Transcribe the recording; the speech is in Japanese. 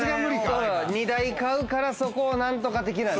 ２台買うからそこを何とか的な。